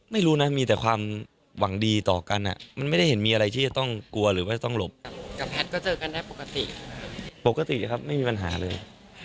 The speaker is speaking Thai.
ไม่รู้นะมีแต่ความหวังดีต่อกันมันไม่ได้เห็นมีอะไรที่จะต้องกลัวหรือว่าจะต้องหลบกับแพทย์ก็เจอกันได้ปกติปกติครับไม่มีปัญหาเลย